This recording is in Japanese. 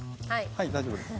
はい大丈夫です。